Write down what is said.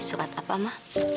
surat apa ma